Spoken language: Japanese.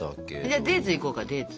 じゃあデーツいこうかデーツ。